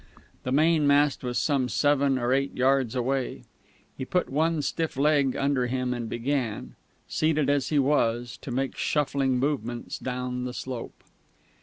The mainmast was some seven or eight yards away.... He put one stiff leg under him and began, seated as he was, to make shuffling movements down the slope.